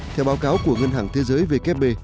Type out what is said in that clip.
theo báo cáo của ngân hàng thế giới vkb